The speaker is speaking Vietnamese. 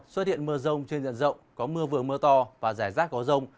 xuất hiện mưa rông trên dần rộng có mưa vừa mưa to và giải rác có rông